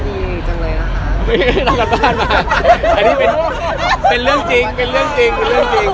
ไม่ถ้าทำกันบ้านแต่นี่เป็นเรื่องจริง